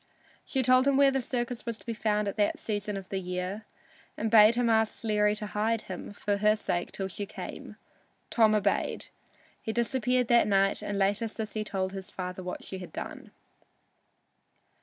She told him where the circus was to be found at that season of the year, and bade him ask Sleary to hide him for her sake till she came. Tom obeyed. He disappeared that night, and later Sissy told his father what she had done.